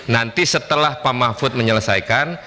nanti setelah pak mahfud menyelesaikan